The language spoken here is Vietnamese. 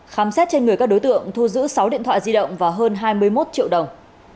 khám xét trên người các đối tượng thu giữ sáu điện thoại di động và hơn hai mươi một triệu đồng